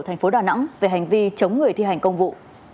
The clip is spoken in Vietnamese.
thành phố đà nẵng về hành vi chống người thi hành công vụ